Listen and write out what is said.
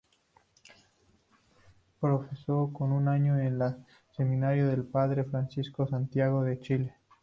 Profeso por un año en el Seminario de los Padre Franciscanos Santiago de Chile.